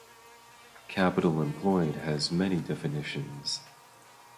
Capital Employed has many definitions.